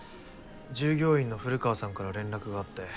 従業員の古川さんから連絡があって。